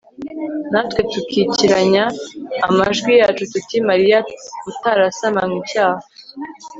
natwe tukikiranya amajwi yacu tuti mariya utarasamanywe icyaha